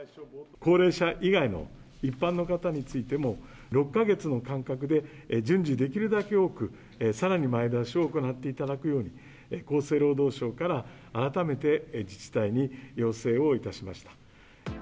高齢者以外の一般の方についても、６か月の間隔で順次、できるだけ多く、さらに前倒しを行っていただくように、厚生労働省から改めて自治体に要請をいたしました。